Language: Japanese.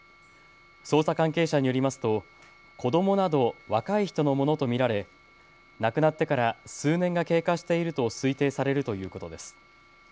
捜査関係者によりますと子どもなど若い人のものと見られ亡くなってから数年が経過していると推定されるということです。